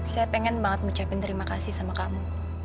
saya pengen banget ngucapin terima kasih sama kamu